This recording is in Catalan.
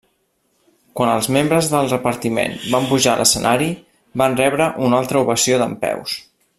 Quan els membres del repartiment van pujar a l'escenari, van rebre una altra ovació dempeus.